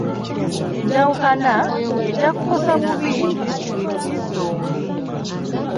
Enjawukana ejja kukosa bubi disitulikiti zombi.